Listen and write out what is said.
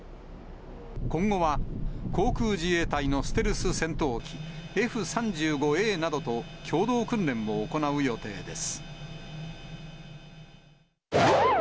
今後は航空自衛隊のステルス戦闘機、Ｆー３５Ａなどと共同訓練を行う予定です。